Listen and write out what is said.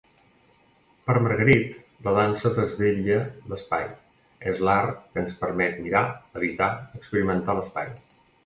Per Margarit, la dansa desvetlla l'espai, és l'art que ens permet mirar, habitar, experimentar l'espai.